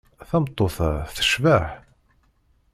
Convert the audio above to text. Tameṭṭut-a tecbeḥ.